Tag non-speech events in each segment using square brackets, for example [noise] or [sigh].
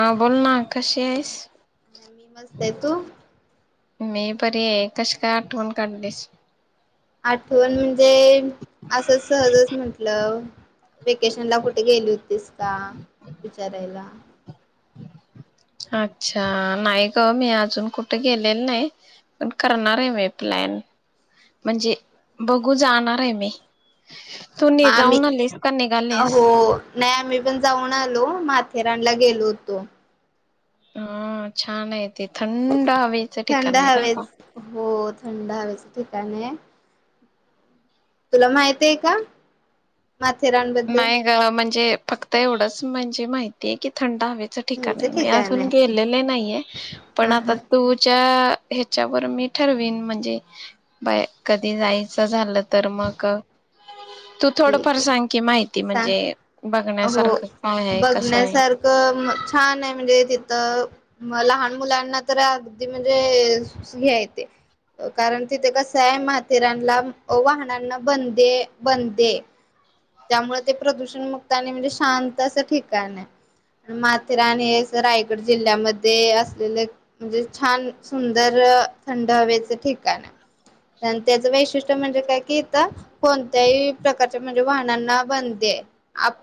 ह बोल ना कशी आहेस. मी मस्त आहे तू मी बरी आहे कशी काय आठवण काढलीस. आठवण म्हण ते असं सहजच म्हंटलं वेकेशन ला कुठे गेली होतीस का विचारायला. अच्छा नाही ग मी अजून कुठे गेल्याले नाही पण करणार आहे मी प्लॅन म्हणजे बघू जाणार आहे मी तू मग नि आम्ही जाऊन आलीस का निघालीस? अहो नाही आम्ही पण जाऊन आलो माथेरा ला गेलो होतो. हा, छान आहे. ते थंड हवा थंड हवेच. हो, थंड हवेच ठिकाण आहे. तुला माहितय का? माथेरानबद्दल नाही ग, म्हणजे फक्त एवढंच म्हणजे माहितीय की, थंड हवेच ठिकाण घरचं मी ठिकाण अजून आहे गेलेले नाहीये. पण हा आता हा तुझ्या ह्याच्यावर मी ठरवीन, म्हणजे बाय कधी जायचं झालं. तर मग, तू थोडं फार ठीक आहे सांग, की माहिती सांग म्हणजे हो, बघण्यासारखं काय आहे कसं आहे. बघण्यासारखं छान आहे. म्हणजे तिथं लहान मुलांना तर अगदी म्हणजे ही हाय, ते कारण तिथे कसय आहे. माथेरानला वाहनांना बंदी य बंद, ते, त्यामुळे ते प्रदूषणमुक्त आणि म्हणजे शांत असं ठिकाण आहे. माथेरान हे रायगड जिल्ह्यामध्ये असलेले म्हणजे छान सुंदर थंड हवेच ठिकाण आहे. आणि त्याच वैशिष्ट्य म्हणजे काय कि इथ कोण, त्या, वेळी प्रकारचे म्हणे. वाहनांना बंदी आहे. [unintelligible]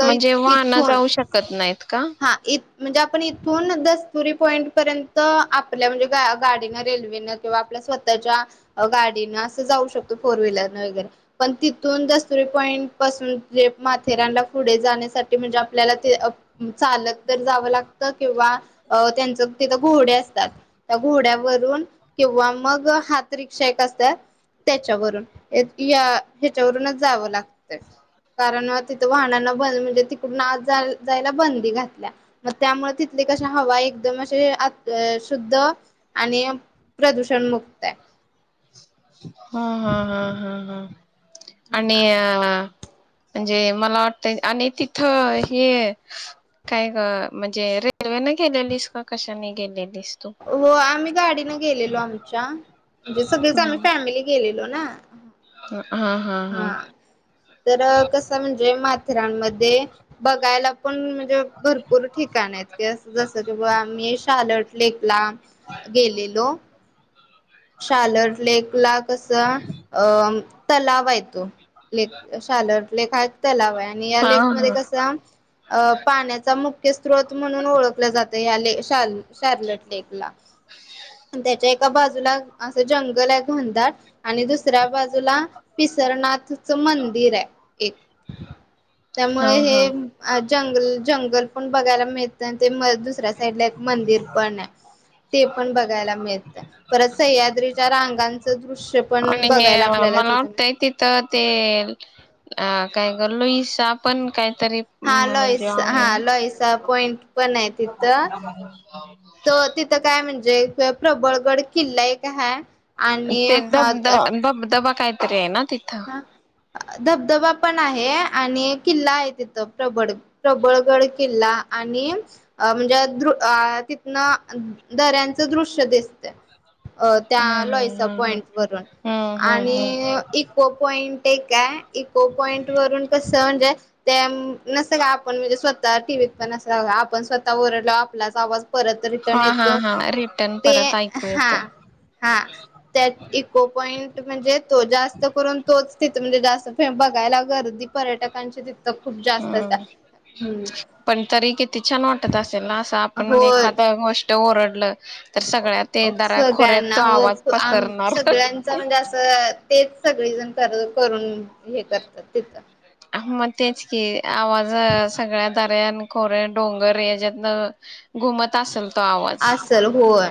म्हणजे वाहनं इथून जाऊ शकत नाहीत का? हा इत म्हणजे आपण इथून दस्तुरी पॉईंट पर्यंत आपल्या म्हणजे गाडीन रेल्वेन किंवा आपल्या स्वतःच्या गाडीनं असं जाऊ शकतो. फोर व्हीलर न वगैरे पण तिथून, पॉईंट पासून जे माथेरानला पुढे जाण्यासाठी, म्हणजे आपल्याला ते चालत तर जावं लागत किंवा त्यांच तिथं घोडे असतात. त्या घोड्यावरून किंवा मग हात रिक्षा एक असतात. त्याच्यावरून, एसटी या ह्याच्यावरूनच, जावं लागत, कारण तिथं वाहनांना बंद म्हणजे तिकडून आज जायला, बंदी घातल्या मग, त्यामुळे तिथली कशा हवा एकदम असे, आ शुद्ध आणि प्रदूषण मुक्त आहे. [inaudible] हा हा हा हा हा आणि म्हणजे मला वाटतं. आणि तिथं हे काय ग, म्हणजे रेल्वे न गेलेलीस का कशाने गेलेली. हो, आम्ही गाडीन गेलेलो, आमच्या म्हणजे सगळीच हा आम्ही हा फॅमिली. गेलेलो ना, हा हा, तर कस म्हणजे, जे माथेरानमध्ये बघायला. पण म्हणजे भरपूर ठिकाण आहेत. जस, की बुवा आम्ही शाल, [inaudible] लांब गेलेलो, [unintelligible] तलाव हाय तो ले शालर लेखाय तलाव हाय. आणि हा या हा लेक मध्ये कसं अ पाण्याचा मुख स्रोत म्हणून ओळखलं जातं या ले शाल शार्ललं टेक ला. त्याच्या एक कबाजुला असं जंगल हाय घणडात आणि दुसऱ्या बाजूला पिसरनाथ चमंदिर आय एक हा त्यामुळं हे हा अ जंगल जंगल पण बघायला मिळतं. ते दुसऱ्या साईड ला एक मंदिर पण हाय ते पण बघायला मिळतंय. परत सह्याद्रीच्या रांगांचं दृश्य पण आणि हे बघायला आपल्याला मला तिथं मिळ वाटतंय तिथं ते अ काय गर लो ई शा पण काहीतरी हा म्हणजे आहे ना पनाय तिथं. त तिथं काय म्हणजे प्रबळगड किल्ला एक हाय. आणि ते धब ध धब धबा कायतरी आहे ना? तिथं. हा धबधबा पण आहे. आणि किल्ला आहे तिथं प्रबड प्रबळगड किल्ला आणि अ म्हणजे द-अ तिथनं दऱ्यांचं दृश्य दिसतंय अ हा त्या हा लॉयसा हा हा पॉइंट वरून हम्म हम्म हम्म आणि एक पो पॉइंट एक काय? इको पॉईंट वरून कसं कसं म्हणजे ते नसतं का आपण म्हणजे स्वतः टीव्हीत पण असं आपण स्वतः ओरडलो आपलाच आवाज परत रिटर्न हा हा येतो हा रिटर्न ते परत ऐकू हा येतो. हा त्यां इको पॉंईट म्हणजे तो जास तो करुन तोच तिथं म्हणजे जास्त बघायला गर्दी पर्यटकांची तिथं खूप जास्त असतात. हम्म. हम्म पण तरी किती छान वाटत असेल ना असं आपण होय एखाद गोष्ट ओरडल सगळ्यांना हो आवाज आ पसरणार सगळ्यांच म्हणजे असं- तेच सगळे जण कर करून हे करतात तिथं. मग तेच की आवाज सगळ्या दऱ्यान, खोऱ्या, डोंगर याच्यातन घुमत असलं असल होय.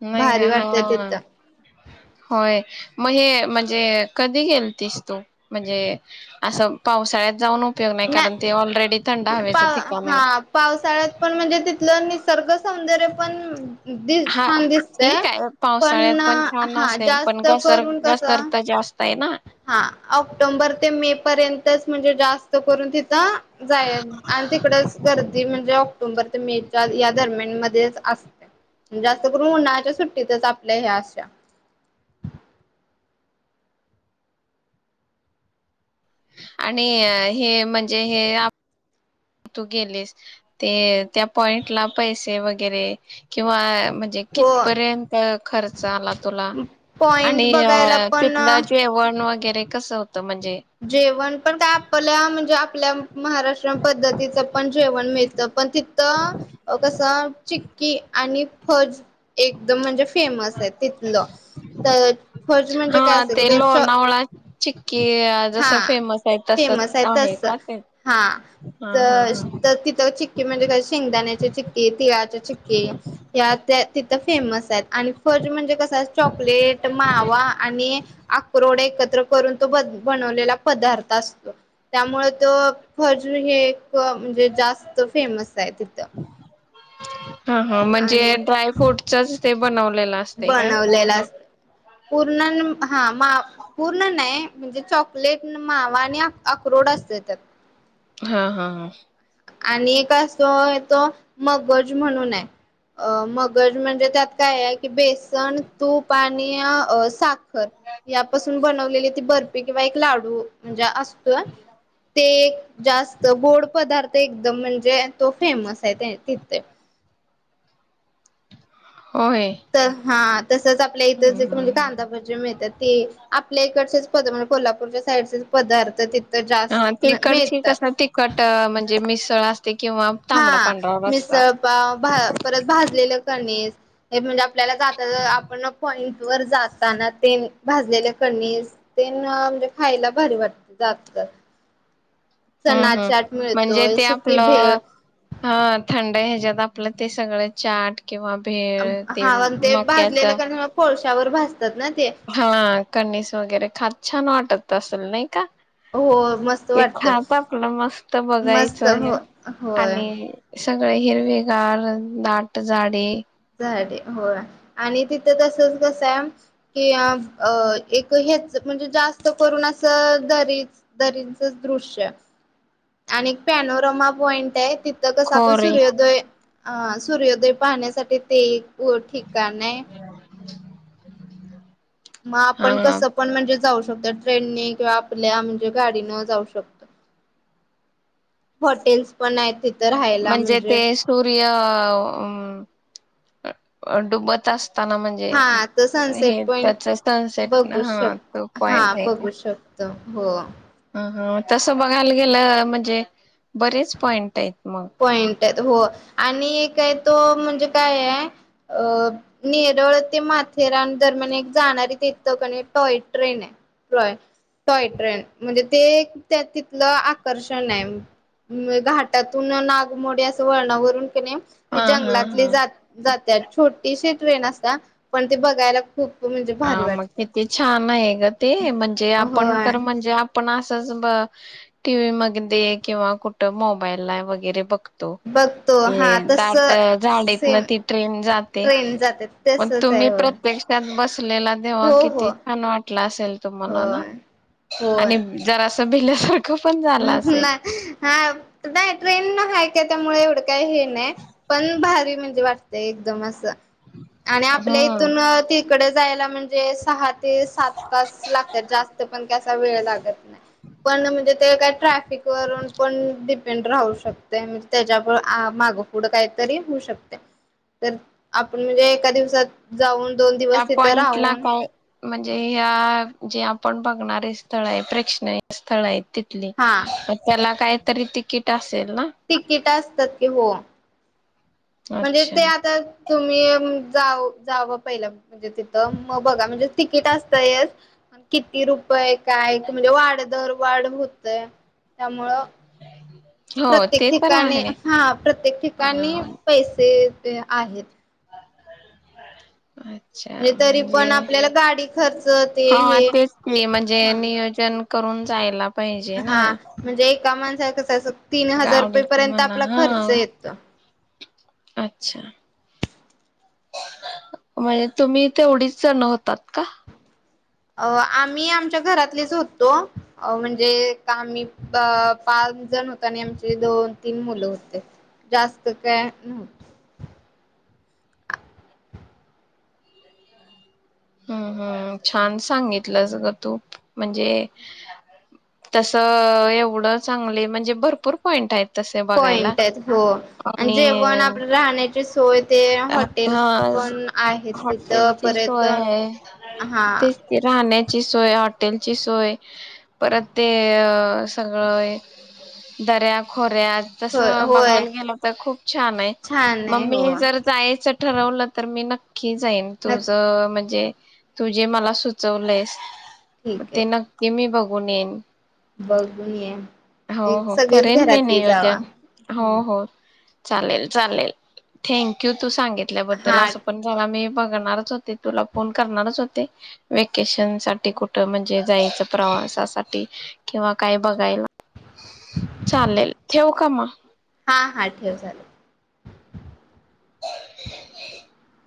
नाही भारी का हा वाटतेत होय, मग हे म्हणजे कधी गेलतीस तू? म्हणजे असं पावसाळ्यात जाऊन उपयोग नाही कारण ते ऑलरेडी थंड नाय पा हवेचं ठिकाण आहे हा पावसाळ्यात पण म्हणजे तिथलं निसर्गच सौंदर्य पण दि हा छान दिसतय. ठीक आहे पावसाळ्यात पण छान हा असेल पण जास्त घसर करून कसं घसरत जास्त आहे ना हा ऑक्टोबर ते मेपर्यंत च म्हणजे जास स्त करून तिथं जाय आणि तिकडच गर्दी म्हणजे ऑक्टोबर ते मेच्या या दरम्यान मध्येच असते. जास्त करून उन्हाळच्या सुट्टीतच आपल्या हे अशा आणि हे म्हणजे हे आ तू गेलीस ते त्या पॉइंटला पैसे वगैरे किंवा म्हणजे हो कितपर्यंत खर्च आला तुला पॉइंट आणि बघायला पण तिथल जेवण वगैरे? ते कसं म्हणजे जेवण पण काय आपल्या म्हणजे आप आपल्या महाराष्ट्र पद्धतीचं पण जेवण मिळतं, पण तिथं कसं चिक्की आणि फज एकदम म्हणजे फेमस आहे तिथलं, तर फज म्हणजे काय असंत की ते चाॅ चीक हा फेमस आहे तस. आहे. हा हा हा तर हा तर तिथं चिक्की म्हणजे काय शेंगदाण्याचे चिक्की, तिळाचे चिक्कीे त्या त्या तिथं फेमस आहेत. आणि फज म्हणजे कस चॉकलेट, मावा आणि आक्रोड एकत्र करून तो बदल बनवलेला पदार्थ असतो. त्यामुळे तो फज हे एक म्हणजे जास्त त फेमस आहे तिथं. हा, हा म्हणजे आणि ड्राय फ्रूटचच ते बनवलेलं असतंय काय बनवलेला पूर्ण? असत पूर्ण न हा मा पूर्ण नाही म्हणजे चॉकलेट, मावा आणि अक्रोड असतय त्यात. हा, हा, हा. आणि एक असतोय तो मगज म्हणून आहे. अ मगज म्हणजे त्यात काय आहे की बेसन, तूप आणि साख खर यापासून बनवलेली ती बर्फी किंवा एक लाडू म्हणजे असतोय ते एक जास्त गोड पदार्थ एकदम म्हणजे तो फेमस आहे ते तिथ होय तर हा तसंच आपल्या इथं जे म्हणजे कांदा भजी मिळत्त्यात ते आपल्या इकडचेच पदार्थ म्हणजे कोल्हापूरच्या साईडचेच पदार्थ ते हा तिकडची कस तिखट म्हणजे? मिस तळा असतं हा मिसळ पाव परत भाजलेलं कणीस हे म्हणजे आप आपल्याला जात आपण कॉइन वर जाताना ते भाजलेले कणीस तेण म्हणजे खायला भारी वाटते जाताना हम्म हम् म्हणजे ते सुकी भेळ आपलं ह थंड हाय ज्यात आपलं ते सगळं चाट किंवा भेळ हा ते मक्याच भाजलेलं कारण कोळसा त्यावर भाजतात ना ते हा कणीू स वगैरे खात छान वाटत असेल नाही का? हो मस्त ते वाटत खात आपलं मस्त मस्त बघायचं हो आणि होय आणि सगळे हिरवेगार दाट झाडे हो आणि तिथं तसच कसं आहे कि एक हेच म्हणजे जास्त करून अस दरी दरीचच दृश्य आणि पॅनोरमा पॉइंट आहे तिथं कसं आपण खोरे सुर्योदय अ सूर्योदय पाहण्यासाठी ते हो ठिकाण आहे नाही ह [unintelligible] मग आपण कसं पण म्हणजे जाऊ फक्त ट्रेन नी किंवा आपल्या म्हणजे गाडी न जाऊ शकतोय हॉटेल्स पण आहेत तिथं म्हणजे ते सूर्य? अ आ डुबत अस ताना म्हणजे हा तर सनसेट हे पॉइंट त्याच सनसेट बघू हा तो शक हा पॉइंट आहे काय? बघू शकतो हो तसं बघायला गेलं म्हणजे बरेच पॉइंट आहेत मग पॉइंटांत हो आणि एकय तो म्हणजे कायये अ नेरळ ते माथेरान दरम्यान एक जाणारी तेथं कने टॉय ट्रेन ये. टॉय टॉय ट्रेन म्हणजे ती त्या तिथलं आकर्षणये म घाटात पून्हा नागमोडी असं वळणावरून कने हे हा हा जंगलातली हा जात जात्यात छोटी शी ट्रेन असत्या पण ते बघायला खूप म्हणजे आ भारी मग वाटतं. किती छान आहे गं. ते म्हणजे आपण होय तर म्हणजे आपण असच बा टीवी मगं दे किंवा कुठं मोबाईल ला वगैरे बघ तो बघतो हा हे तस दाट झाडीतनं सेम ती ट्रेन जाते ट्रेन जाते पण तसच आहे तुम्ही हो प्रत्यक्षात बस तेव्हा हो किती हो छान वाटलं असेल तुम्हाला ना? होय आणि जरासं तं भिल्यासं ह ना हा नाही ट्रेन न हाकी त्यामुळे एवढं काही हे नाही पण भारी म्हणजे वाट ते एकदम असं आणि आपल्या हम्म इथून ते तिकडं जायला म्हणजे सहा ते सात तास लागत्यात. जास्त पण काय असा वेळ लागत नाही पण म्हणजे ते काय ट्रॅफि फिक वरून पण डिपेंड राहू शकतंय मंजे त्याज्या प आ मागंपुढं काहीतरी होऊ शकतंय, तर आपण म्हणजे एका दिवसात जाऊन दोन त्या दिवस तिथं पॉइंटला राहून काय म्हणजे ह्या जे आपण बघणारे स्थळ हाय. प्रेक्षणय स्थळ आहेत. तिथली हा मग त्याला काय तरी तिकीट अस तिकीट असतात की, हो. म्हणजे अच्छा ते आता तुम्ही अ-म जाऊ जावा पहिला म्हणजे तिथं. मग बघा म्हणजे तिकीट असतंयचं पण किती रुपय काय म्हणजे वाढ-दर-वाढ हुतंय त्यामुळं हो प्रत्येक ते तर ठिकाणी, आहे. हा प्रत्येक अ ठिकाणी पैसे ते आहेत. आ अच्छा. तरी म्हणजे पण आपल्याला गाडी खर्च ते हा हे तेच की म्हणजे हा नियोजन करून जायला पाहिजे ना. त्यात कसं असं तीन हजार रुपये गावडीच पर्यंत म्हणा आपला हा खर्च येतो. अच्छा म्हणजे तुम्ही तेवढीच जण होतात का? अ आम्ही आमच्या घरातलेच होतो म्हणजे आम्ही पाच जण होत आणि आमचे दोन तीन मुलं होते. जास्त काय नव्हते. हम्म हम् छान सांगितलंच ग तू म्हणजे तस एवढ चांगले म्हणजे भरपूर पॉईंट आहेत. तसे बघायला पॉइंट आहेत हो आणि जेवण आपलं राहण्याची सोय ते हॉटेल हा पण आहेत तिथ हॉटेलची परत सोय हा ची सोय हॉटेलची सोय परत ते सगळं दऱ्या खोऱ्या अरे आज तसं होय बघायला गेलं तर खूप छान आहे. छान आहे हो मी जर जायच ठरवलं तर? मी ना नक्की जाईन नक्की तुझं म्हणजे तू जे मला सुचवलंस ठीक आहे ते नक्की मी बघ बघू येईन. बघून ये. हो एक हो सगळीच करेन मी घरातली जावा नियोजन हो हम्म हो. चालेल चालेल थँंक यू तू सांगितल्याबद्दल हा असं पण झाला मी बघणारच होते तुला फोन करणारच होते व्हेकेशन साठी कुठ म्हणजे जायचं प्रवासासाठी किंवा काय बघायला चालेल ठेऊ का मग? हा हा ठेव चालेल [inaudible]